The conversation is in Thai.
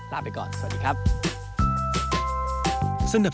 ลาไปก่อนสวัสดีครับ